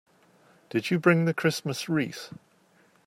Did you bring the Christmas wreath?